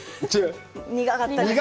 苦かったですね。